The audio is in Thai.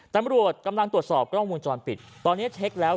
ตำรวจกำลังตรวจสอบกล้องวงจรปิดตอนนี้เช็คแล้ว